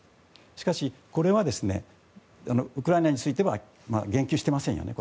しかし、ウクライナについては言及していませんよね。